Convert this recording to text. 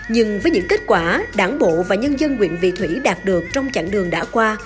nhưng với những kết quả đảng bộ và nhân dân nguyện vị thủy đạt được trong chặng đường đã qua